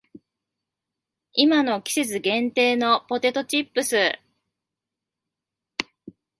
今の季節限定のポテトチップス